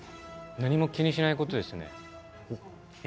何も気にしないことですね。